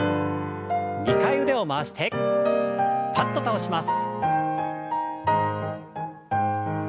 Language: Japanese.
２回腕を回してパッと倒します。